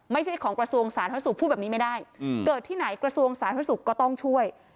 ไม่ใช่ของกระทรวงสาธารณสุขพูดแบบนี้ไม่ได้เกิดที่ไหนกระทรวงสาธารณสุขก็ต้องช่วย